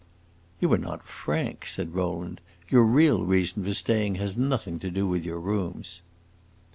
"You are not frank," said Rowland. "Your real reason for staying has nothing to do with your rooms."